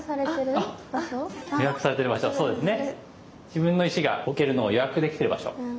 自分の石が置けるのを予約できている場所。